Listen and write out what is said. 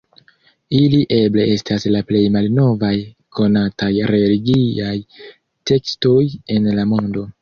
Ili eble estas la plej malnovaj konataj religiaj tekstoj en la mondo.